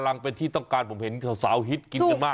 กำลังเป็นที่ต้องการจนผมเห็นสาวฮิตกินได้มาก